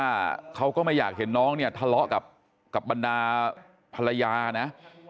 เขาก็ไม่อยากเห็นน้องเนี่ยทะเลาะกับบรรดาภรรยานะ